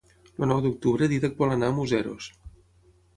El nou d'octubre en Dídac vol anar a Museros.